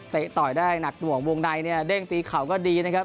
ต่อยได้หนักหน่วงในเนี่ยเด้งตีเข่าก็ดีนะครับ